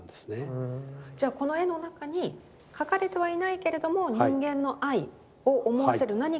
じゃこの絵の中に描かれてはいないけれども人間の愛を思わせる何かが？